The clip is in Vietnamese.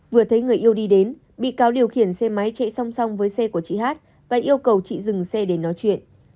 vừa thấy người yêu đi đến bị cáo điều khiển xe máy chạy song song với xe của chị hát và yêu cầu chị dừng xe để nói chuyện